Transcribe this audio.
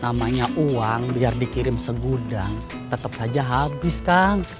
namanya uang biar dikirim segudang tetap saja habis kang